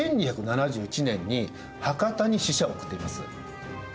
１２７１年に博多に使者を送っています。